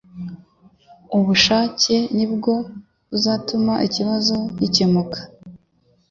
ubushake ni bwo buzatuma ikibazo gikemuka.